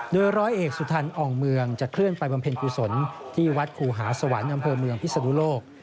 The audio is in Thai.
โดยร้อยเอกสุทันอ่องเมืองจะเคลื่อนไปบำเพ็ญกุศลที่วัดครูหาสวรรค์อำเภอเมืองพิศนุโลก